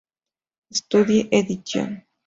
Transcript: Study edition.